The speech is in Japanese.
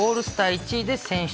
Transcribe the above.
１位で選出。